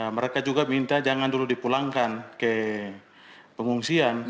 mereka juga minta jangan dulu dipulangkan ke pengungsian